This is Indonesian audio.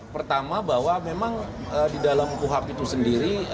pertama bahwa memang di dalam kuhap itu sendiri